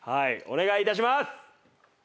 お願い致します！